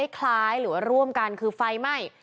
คล้ายหรือว่าร่วมกันคือไฟไหม้